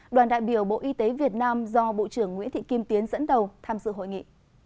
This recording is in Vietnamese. đoàn đại biểu bộ y tế việt nam do bộ trưởng nguyễn thị kim tiến dẫn đầu tham dự hội nghị